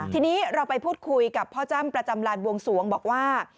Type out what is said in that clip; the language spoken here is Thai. ทีนี้เราไปพูดคุยกับพ่อจ้ำประจำลานบวงสวงบอกว่า